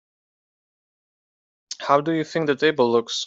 How do you think the table looks?